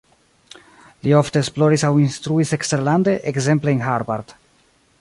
Li ofte esploris aŭ instruis eksterlande, ekzemple en Harvard.